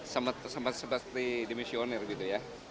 sempat sepasti dimisionir gitu ya